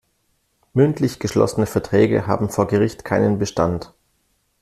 Mündlich geschlossene Verträge haben vor Gericht keinen Bestand.